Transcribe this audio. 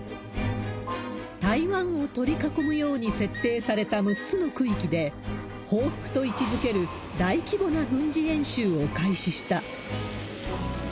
台湾を取り囲むように設定された６つの区域で、報復と位置づける大規模な軍事演習を開始した。